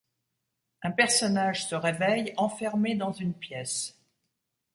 Un personnage se réveille enfermé dans une pièce.